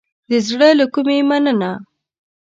د زړه له کومې مننه